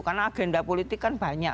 karena agenda politik kan banyak